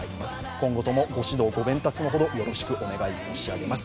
今後ともご指導ご鞭撻のほどよろしくお願いいたします。